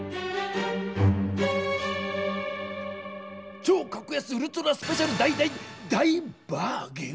「超格安ウルトラスペシャル大大大バーゲン！！」？